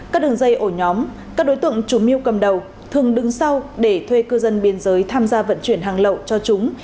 các đường dây ổ nhóm các đối tượng chủ mưu cầm đầu thường đứng sau để thuê cư dân biên giới tham gia vận chuyển hàng lậu cho chúng